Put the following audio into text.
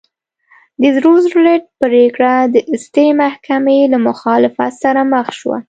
د روزولټ پرېکړه د سترې محکمې له مخالفت سره مخ شوه.